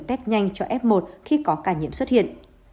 test nhanh cho f một khi có ca nhiễm xuất hiện